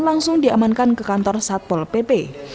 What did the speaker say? langsung diamankan ke kantor satpol pp